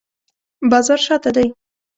بازار شاته دی